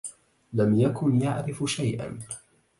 لم يكن يعرف شيئا.